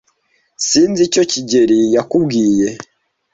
Sinzi icyo kigeli yakubwiye,